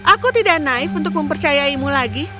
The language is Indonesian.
aku tidak naif untuk mempercayaimu lagi